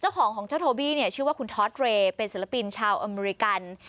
ของของเจ้าโทบี้เนี่ยชื่อว่าคุณทอสเรย์เป็นศิลปินชาวอเมริกัน